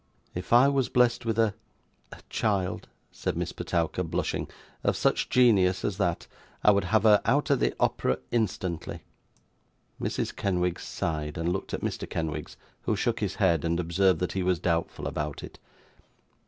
'If I was blessed with a a child ' said Miss Petowker, blushing, 'of such genius as that, I would have her out at the Opera instantly.' Mrs. Kenwigs sighed, and looked at Mr. Kenwigs, who shook his head, and observed that he was doubtful about it.